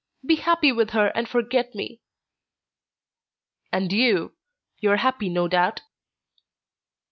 Be happy with her and forget me." "And you. You are happy, no doubt?"